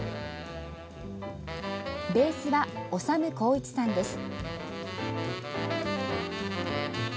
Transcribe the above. ベースは納浩一さんです。